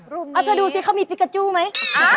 รูปนี้อ้าวเธอดูสิเค้ามีพิกาจูไหม